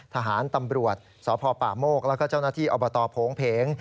ทหารตำรวจสพป่าโมกแล้วก็เจ้าหน้าที่อบตโผงเพง